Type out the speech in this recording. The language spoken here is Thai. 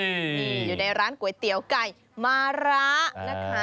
นี่อยู่ในร้านก๋วยเตี๋ยวไก่มาระนะคะ